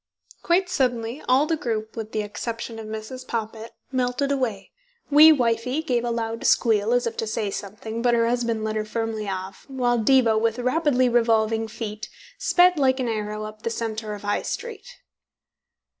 Quite suddenly all the group, with the exception of Mrs. Poppit, melted away. Wee wifie gave a loud squeal, as if to say something, but her husband led her firmly off, while Diva, with rapidly revolving feet, sped like an arrow up the centre of the High Street.